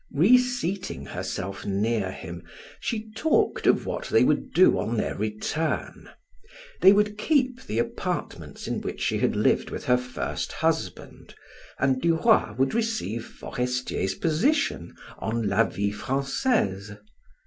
Reseating herself near him she talked of what they would do on their return; they would keep the apartments in which she had lived with her first husband, and Duroy would receive Forestier's position on "La Vie Francaise."